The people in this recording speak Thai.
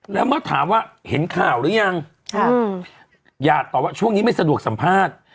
แล้วเมื่อถามว่าเห็นข่าวหรือยังอย่าตอบว่าช่วงนี้ไม่สะดวกสัมภาษณ์